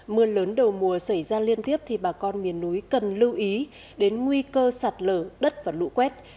mưa lớn đầu mùa xảy ra liên tiếp thì bà con miền núi cần lưu ý đến nguy cơ sạt lở đất và lũ quét